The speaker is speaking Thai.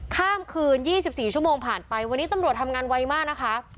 ข้ามคืน๒๔ชั่วโมงผ่านไปวันนี้ตำรวจทำงานไวมากนะคะ